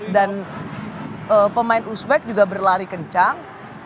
dan pemain uzbek juga berlari kencang